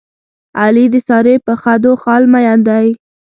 علي د سارې په خدو خال مین دی.